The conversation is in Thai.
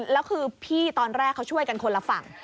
แล้วคือพี่ตอนแรกเขาช่วยกันคนละฝั่ง